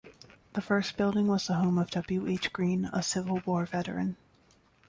The first building was the home of W. H. Green, a Civil War veteran.